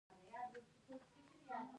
او نور ترې خوند واخلي.